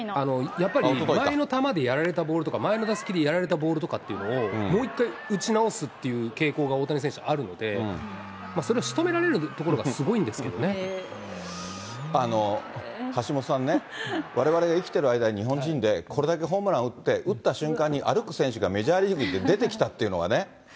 やっぱり前の試合でやられた球とか、前の打席でやられたボールとかというのを、もう一回打ち直すという傾向が、大谷選手あるので、それをしとめられるところがすごいんですけど橋下さんね、われわれ生きてる間に、日本人で、これだけホームラン打って、打った瞬間に歩く選手がメジャーリーグで出てきたというのはね。